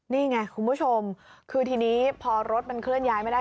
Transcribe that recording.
นี่ไงคุณผู้ชมคือทีนี้พอรถมันเคลื่อนย้ายไม่ได้